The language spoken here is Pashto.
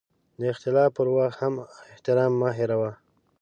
د اختلاف پر وخت هم احترام مه هېروه.